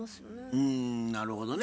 うんなるほどね。